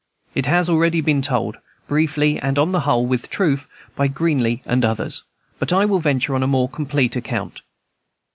It has already been told, briefly and on the whole with truth, by Greeley and others, but I will venture on a more complete account.